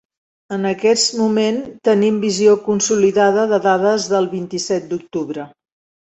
En aquest moment tenim visió consolidada de dades del vint-i-set d’octubre.